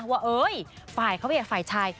ว่าฝ่ายเข้าไปกับฝ่ายชาย